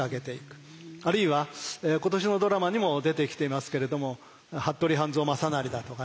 あるいは今年のドラマにも出てきていますけれども服部半蔵正成だとかね。